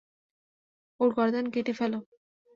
ওর গর্দান কেটে ফেলো!